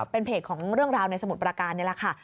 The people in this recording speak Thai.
เป็นเพจของเรื่องราวในสมุทรประการนี่แหละค่ะ